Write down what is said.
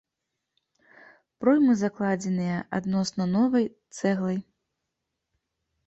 Проймы закладзеныя адносна новай цэглай.